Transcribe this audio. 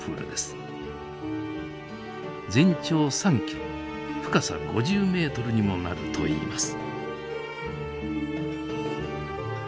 全長３ｋｍ深さ５０ｍにもなるといいます。